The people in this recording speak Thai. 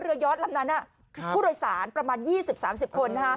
ยอดลำนั้นผู้โดยสารประมาณ๒๐๓๐คน